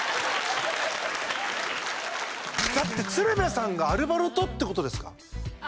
だって鶴瓶さんがアルバロとってことですか？